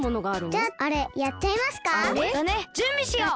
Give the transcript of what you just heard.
だねじゅんびしよう！